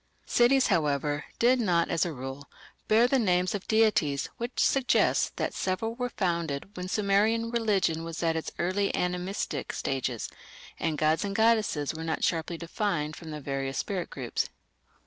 Cities, however, did not, as a rule, bear the names of deities, which suggests that several were founded when Sumerian religion was in its early animistic stages, and gods and goddesses were not sharply defined from the various spirit groups.